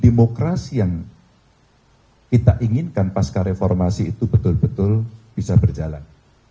demokrasi yang kita inginkan pasca reformasi itu betul betul bisa berjalan